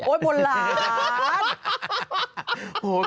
โอ๊ยบนลาน